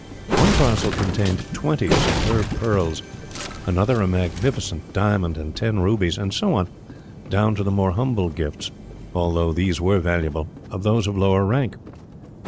One parcel contained twenty superb pearls, another a magnificent diamond and ten rubies, and so on, down to the more humble gifts although these were valuable of those of lower rank.